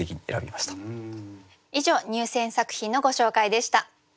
以上入選作品のご紹介でした。